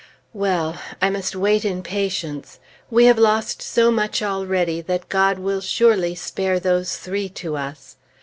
Well! I must wait in patience. We have lost so much already that God will surely spare those three to us.